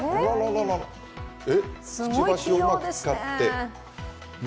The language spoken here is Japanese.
くちばしをうまく使って。